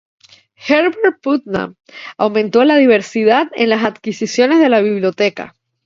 Herbert Putnam aumentó la diversidad en las adquisiciones de la Biblioteca.